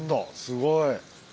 すごい。